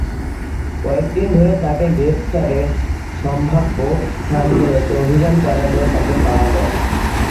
কয়েক দিন ধরে তাঁকে গ্রেপ্তারে সম্ভাব্য স্থানগুলোতে অভিযান চালালেও তাঁকে পাওয়া যায়নি।